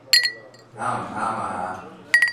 啱唔啱呀？